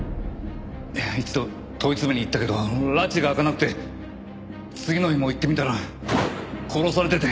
一度問い詰めに行ったけど埒が明かなくて次の日も行ってみたら殺されてて。